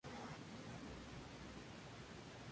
La cubierta es de teja curva.